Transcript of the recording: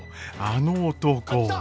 あの男。